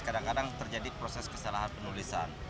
kadang kadang terjadi proses kesalahan penulisan